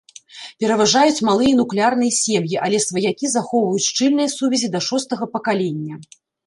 Пераважаюць малыя нуклеарныя сем'і, але сваякі захоўваюць шчыльныя сувязі да шостага пакалення.